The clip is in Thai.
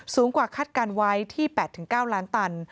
สูงกว่าคาดการณ์ไว้ที่๘๙ล้านตัน